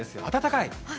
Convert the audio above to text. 暖かい。